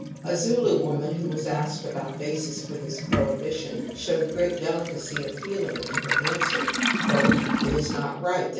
A Zulu woman who was asked about the basis for this prohibition showed great delicacy of feeling in her answer :'' It is not right that he " Crawley